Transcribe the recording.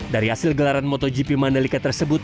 dari hasil gelaran motogp mandalika tersebut